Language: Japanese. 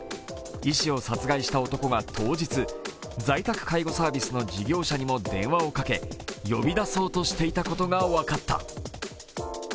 医師を殺害した男が当日、在宅介護サービスの事業者にも電話をかけ呼び出そうとしていたことが分かった。